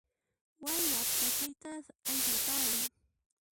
Wayra ph'achayta aysarparin